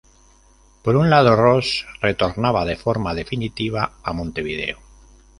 Por un lado, Roos retornaba de forma definitiva a Montevideo.